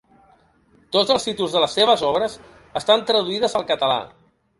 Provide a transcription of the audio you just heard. Tots els títols de les seves obres estan traduïdes al català.